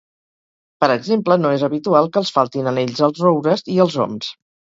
Per exemple, no és habitual que els faltin anells als roures i als oms.